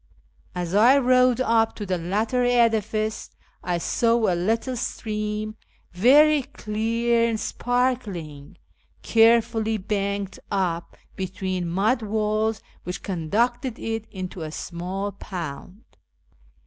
As I rode up to the latter edifice, I saw a little stream, very clear and sparkling, carefully banked up be tween mud walls which conducted it into a small pond.